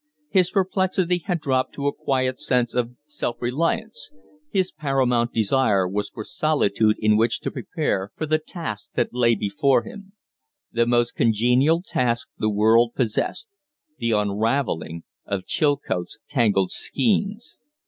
His perplexity had dropped to a quiet sense of self reliance; his paramount desire was for solitude in which to prepare for the task that lay before him; the most congenial task the world possessed the unravelling of Chilcote's tangled skeins.